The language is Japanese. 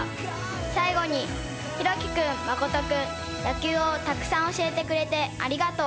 最後に、ひろき君、真実君、野球をたくさん教えてくれてありがとう。